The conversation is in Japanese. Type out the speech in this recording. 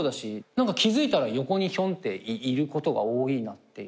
何か気付いたら横にひょんっていることが多いなって。